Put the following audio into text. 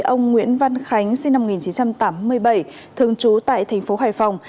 ông nguyễn văn khánh sinh năm một nghìn chín trăm tám mươi bảy thường trú tại tp hải phòng